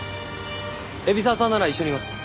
海老沢さんなら一緒にいます。